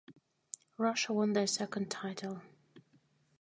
Russia won their second title.